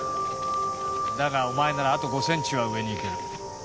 だがお前ならあと５ｃｍは上にいける。